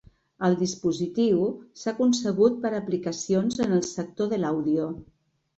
El dispositiu s'ha concebut per a aplicacions en el sector de l'àudio.